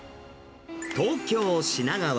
東京・品川。